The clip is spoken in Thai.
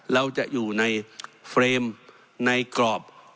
เราจะอยู่ในเฟรมในกรอบ